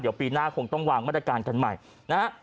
เดี๋ยวปีหน้าคงต้องวางบรรดาการกันใหม่นะครับ